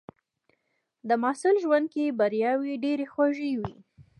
د محصل ژوند کې بریاوې ډېرې خوږې وي.